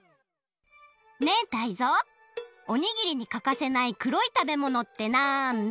ねえタイゾウおにぎりにかかせないくろい食べものってなんだ？